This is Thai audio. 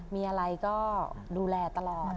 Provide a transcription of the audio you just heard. มีอะไรก็ดูแลตลอด